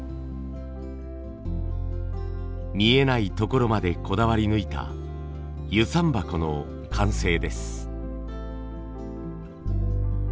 見えないところまでこだわり抜いた遊山箱の完成です。